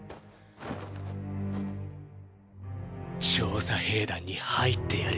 調査兵団に入ってやる。